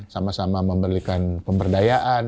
sama sama memberikan pemberdayaan